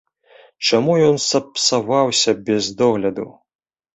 Чаму ён сапсаваўся без догляду?